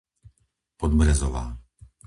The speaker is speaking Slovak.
Podbrezová